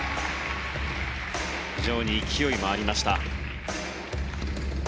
非常に勢いもありました。